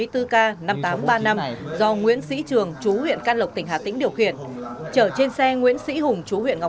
tại trường chú huyện can lộc tỉnh hà tĩnh điều khiển chở trên xe nguyễn sĩ hùng chú huyện ngọc